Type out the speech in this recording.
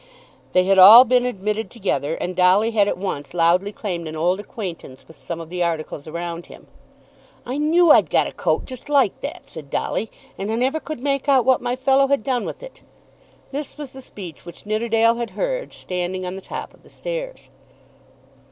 They had all been admitted together, and Dolly had at once loudly claimed an old acquaintance with some of the articles around him. "I knew I'd got a coat just like that," said Dolly, "and I never could make out what my fellow had done with it." This was the speech which Nidderdale had heard, standing on the top of the stairs.